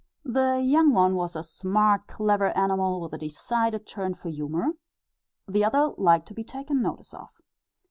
The young one was a smart clever animal with a decided turn for humour, the other liked to be taken notice of.